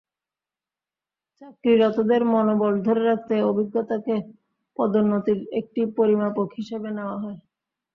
চাকরিরতদের মনোবল ধরে রাখতে অভিজ্ঞতাকে পদোন্নতির একটি পরিমাপক হিসেবে নেওয়া হয়।